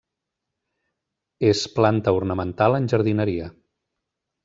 És planta ornamental en jardineria.